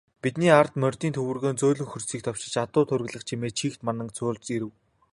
Бидний ард морьдын төвөргөөн зөөлөн хөрсийг товшиж, адуу тургилах чимээ чийгт мананг цуулж ирэв.